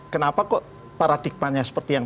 kenapa kok paradigmanya seperti yang